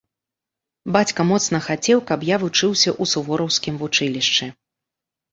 Бацька моцна хацеў, каб я вучыўся ў сувораўскім вучылішчы.